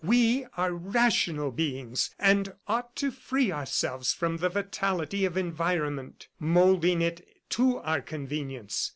We are rational beings and ought to free ourselves from the fatality of environment, moulding it to our convenience.